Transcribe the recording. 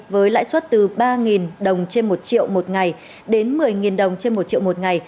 với lãi suất từ ba đồng trên một triệu